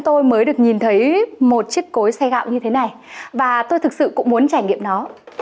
tôi mới được nhìn thấy một chiếc cối xe gạo như thế này và tôi thực sự cũng muốn trải nghiệm nó